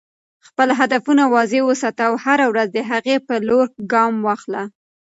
خپل هدفونه واضح وساته او هره ورځ د هغې په لور ګام واخله.